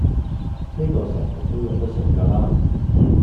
哩個成日都有得食嫁啦